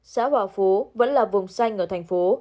xã hòa phú vẫn là vùng xanh ở thành phố